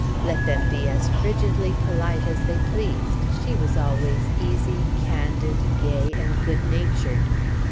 Let them be as frigidly polite as they pleased, she was always easy, candid, gay, and good natured.